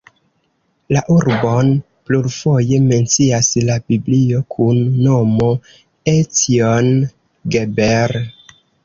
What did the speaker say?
La urbon plurfoje mencias la Biblio kun nomo Ecjon-Geber.